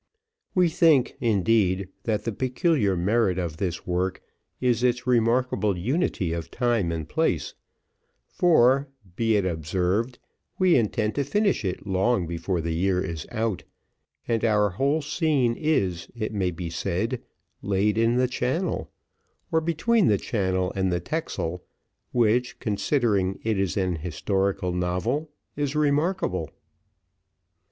We think, indeed, that the peculiar merit of this work is its remarkable unity of time and place; for, be it observed, we intend to finish it long before the year is out, and our whole scene is, it may be said, laid in the channel, or between the channel and the Texel, which, considering it is an historical novel, is remarkable.